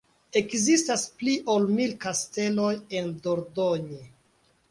Ekzistas pli ol mil kasteloj en Dordogne.